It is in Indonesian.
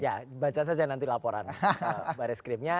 ya baca saja nanti laporan baris krimnya